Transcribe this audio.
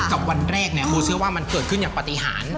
กับวันแรกเนี่ยโมเชื่อว่ามันเกิดขึ้นอย่างปฏิหาร